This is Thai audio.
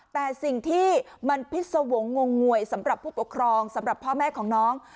แต่สิ่งที่มันพิษวงศ์งงวยสำหรับผู้ปกครองสำหรับพ่อแม่ของน้อง